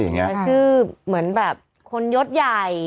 คือเหมือนแบบคนยกใหญ่